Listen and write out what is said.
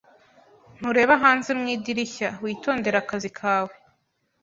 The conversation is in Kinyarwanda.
Ntureba hanze mu idirishya. Witondere akazi kawe.